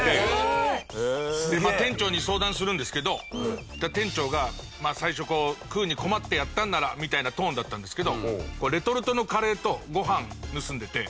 まあ店長に相談するんですけど店長が最初こう「食うに困ってやったんなら」みたいなトーンだったんですけどレトルトのカレーとご飯盗んでて。